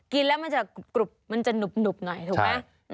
กินแล้วมันจะกรุบมันจะหนุบหน่อยถูกไหม